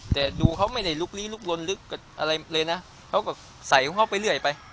แต่ดูเขาไม่ได้ลุกลี้ลุกลนลึกอะไรเลยนะเขาก็ใส่ของเขาไปเรื่อยไป